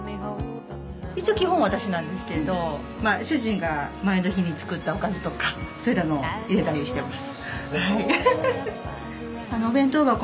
一応基本は私なんですけれど主人が前の日に作ったおかずとかそういったのを入れたりしてます。